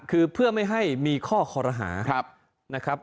คือเพื่อไม่ให้มีข้อคอรหานะครับ